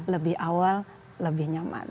lebih awal lebih nyaman